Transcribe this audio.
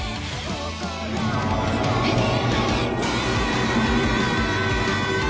えっ！？